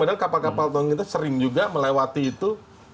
padahal kapal kapal kita sering juga melewati itu